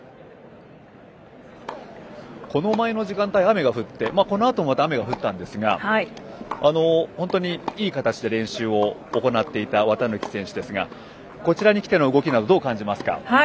この前の時間帯、雨が降ってこのあともまた雨が降ったんですが本当にいい形で練習を行っていた綿貫選手ですがこちらに来ての動きどう感じますか？